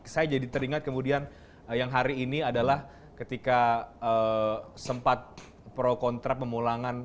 saya jadi teringat kemudian yang hari ini adalah ketika sempat pro kontra pemulangan